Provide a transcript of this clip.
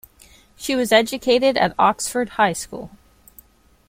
She was educated at Oxford High School.